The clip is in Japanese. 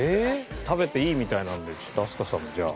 食べていいみたいなのでちょっと飛鳥さんもじゃあ。